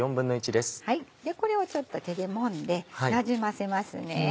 これをちょっと手でもんでなじませます。